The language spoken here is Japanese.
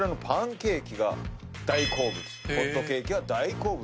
ホットケーキが大好物と。